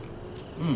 うん。